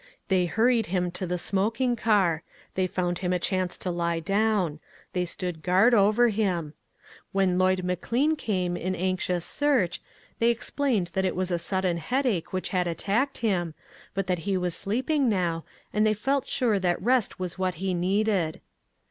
They hur ried him to the smoking car ; they found him a chance to lie down; they stood guard over him. When Lloyd McLean came iu anxious search, they explained that it was a sudden headache which had attacked him, but that he was sleeping now, and they felt sure that rest was what he needed.